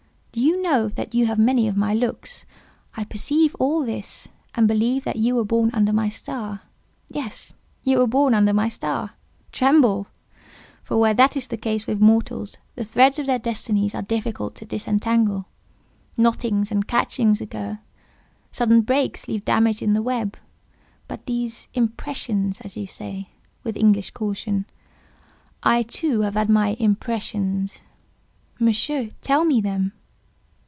Do you know that you have many of my looks? I perceive all this, and believe that you were born under my star. Yes, you were born under my star! Tremble! for where that is the case with mortals, the threads of their destinies are difficult to disentangle; knottings and catchings occur—sudden breaks leave damage in the web. But these 'impressions,' as you say, with English caution. I, too, have had my 'impressions.'" "Monsieur, tell me them."